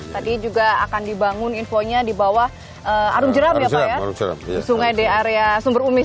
tadi juga akan dibangun infonya di bawah arung jeram ya pak ya di sungai di area sumber umi